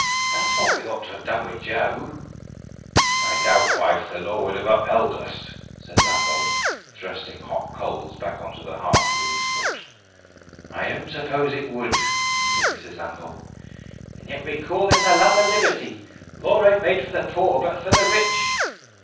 That's what we ought to ha' done wi' Joe." "I doubt, wife, the law wouldn't have upheld us," said Lambole, thrusting hot coals back on to the hearth with his foot. "I don't suppose it would," said Mrs. Lambole. "And yet we call this a land of liberty! Law ain't made for the poor, but for the rich."